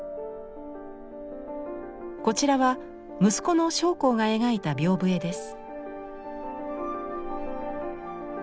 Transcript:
こちらは息子の松篁が描いた屏風絵です。